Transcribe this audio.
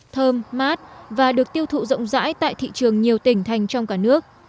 thơm mát và được tiêu thụ rộng rãi tại thị trường nhiều tỉnh thành trong cả nước